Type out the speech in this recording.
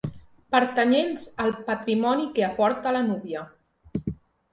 Pertanyents al patrimoni que aporta la núvia.